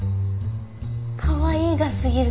かわいいがすぎる。